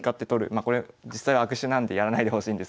まあこれ実際は悪手なんでやらないでほしいんですけど。